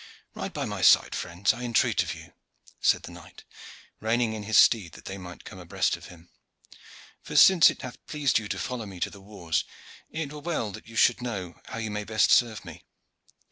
"Ride by my side, friends, I entreat of you," said the knight, reining in his steed that they might come abreast of him. "For, since it hath pleased you to follow me to the wars, it were well that you should know how you may best serve me.